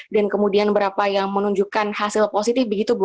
dan kemudian berapa yang menunjukkan hasil positif begitu bu